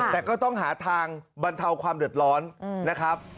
แต่ก็ต้องหาทางบรรเทาความเดือดร้อนนะครับ